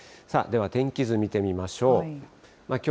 さあ、では天気図見てみましょう。